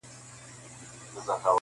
وفا سمندر ځانګړی ليکوال دئ,